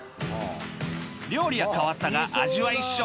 料理は変わったが味は一緒